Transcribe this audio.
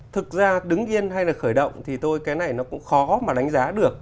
thực ra đứng yên hay là khởi động thì tôi cái này nó cũng khó mà đánh giá được